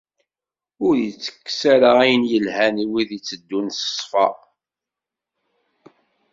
Ur ittekkes ara ayen yelhan i wid itteddun s ṣṣfa.